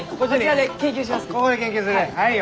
ここで研究する？